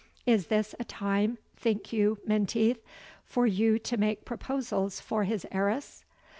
Is this a time, think you, Menteith, for you to make proposals for his heiress?